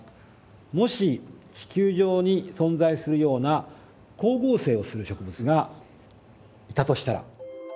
もし地球上に存在するような光合成をする植物がいたとしたら。